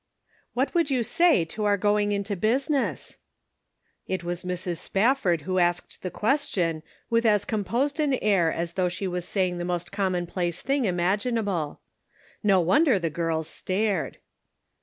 HAT would you say to our going into business ?" It was Mrs. Spafford who asked the question, with as composed an air as though she was saying the most commonplace thing imaginable. No wonder the girls stared.